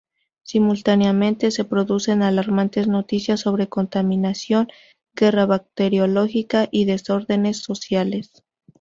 Simultáneamente se producen alarmantes noticias sobre contaminación, guerra bacteriológica y desórdenes sociales.